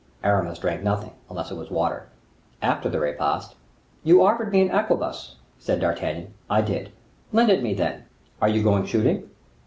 Aramis drank nothing, unless it was water. After the repast,— "You offered me an arquebus," said D'Artagnan. "I did." "Lend it me, then." "Are you going shooting?"